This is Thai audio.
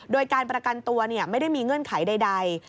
โดยการประกันตัวไม่ได้มีเงื่อนไขใด